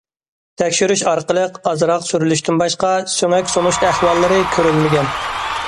تەكشۈرۈش ئارقىلىق، ئازراق سۈرۈلۈشتىن باشقا، سۆڭەك سۇنۇش ئەھۋاللىرى كۆرۈلمىگەن.